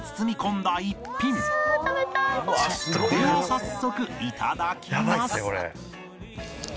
早速いただきます